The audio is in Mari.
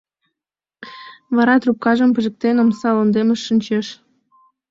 Вара, трупкажым пижыктен, омса лондемыш шинчеш.